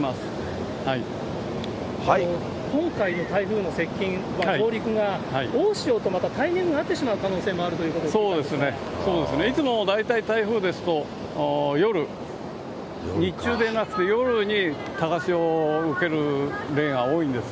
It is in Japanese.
今回の台風の接近は、上陸が大潮とまたタイミングが合ってしまうということになりそうそうですね、いつも大体台風ですと、夜、日中でなくて夜に、高潮を受ける例が多いんです。